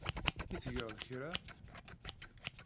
I tgeḍ kra?